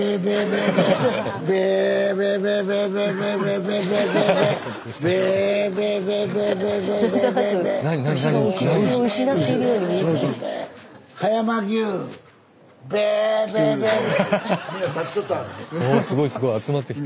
スタジオおすごいすごい集まってきた。